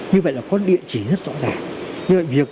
như vậy là có địa chỉ rất rõ ràng